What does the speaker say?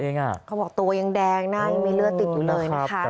เองอ่ะเขาบอกโตยังแดงหน้ายังไม่เลือดติดอยู่เลยครับแต่